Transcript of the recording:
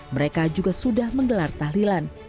mereka juga sudah menggelar tahlilan